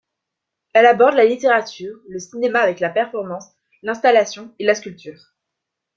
Elle aborde la littérature, le cinéma avec la performance, l'installation et la sculpture.